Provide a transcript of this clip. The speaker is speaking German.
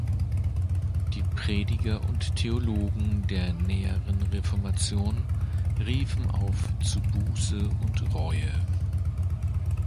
Die Prediger und Theologen der näheren Reformation riefen auf zu Buße und Reue.